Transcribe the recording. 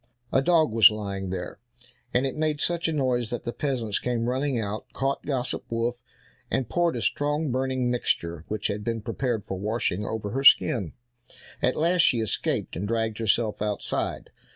A dog was lying there, and it made such a noise that the peasants came running out, caught Gossip Wolf, and poured a strong burning mixture, which had been prepared for washing, over her skin. At last she escaped, and dragged herself outside.